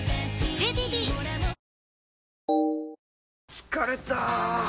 疲れた！